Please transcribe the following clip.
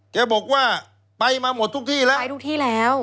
แกบอกว่าไปมาหมดทุกที่แล้วไปทุกที่แล้ว